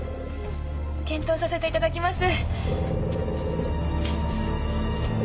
検討させていただきます。